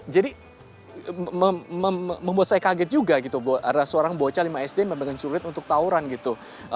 jadi membuat saya kaget juga gitu karena seorang bocah lima sd memegang celurit untuk tawuran gitu